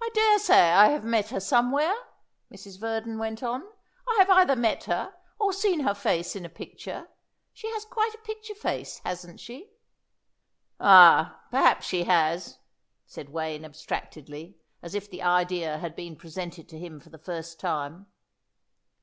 "I daresay I have met her somewhere," Mrs. Verdon went on. "I have either met her or seen her face in a picture. She has quite a picture face, hasn't she?" "Ah, perhaps she has," said Wayne abstractedly, as if the idea had been presented to him for the first time.